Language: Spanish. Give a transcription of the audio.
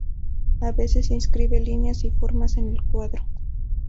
A veces inscribe líneas y formas en el cuadro.